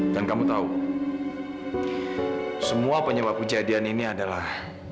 dan kamu tahu semua penyebab kejadian ini adalah